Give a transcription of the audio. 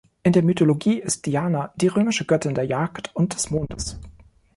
In der Mythologie ist Diana die römische Göttin der Jagd und des Mondes.